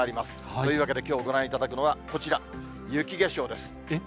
というわけできょうご覧いただくのはこちら、雪化粧です。